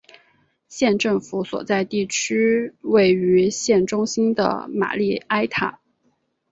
县政府所在地位于县中心的玛丽埃塔。